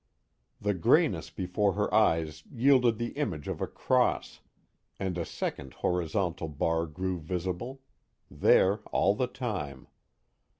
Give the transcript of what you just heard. The grayness before her eyes yielded the image of a cross, and a second horizontal bar grew visible there all the time.